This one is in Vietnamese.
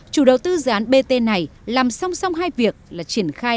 chủ đầu tư dự án bt này làm song song hai việc là triển khai